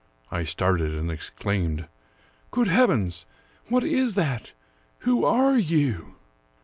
I started, and exclaimed, " Good heavens ! what is that ? Who are you